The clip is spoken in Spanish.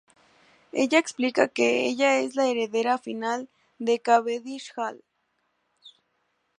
Ella explica que ella es la heredera final de Cavendish Hall.